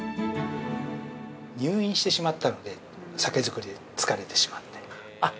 ◆入院してしまったので酒造りで疲れてしまって。